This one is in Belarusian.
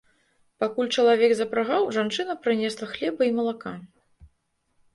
Пакуль чалавек запрагаў, жанчына прынесла хлеба і малака.